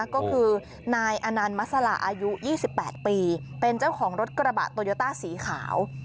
ก็คือนายอนันต์มัสลาอายุ๒๘ปีเป็นเจ้าของรถกระบะโตโยต้าสีขาว